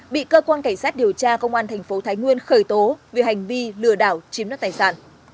bị cơ quan cảnh sát điều tra công an thành phố thái nguyên khởi tố về hành vi lừa đảo chiếm đất tài sản